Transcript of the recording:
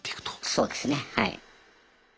そうですねはい。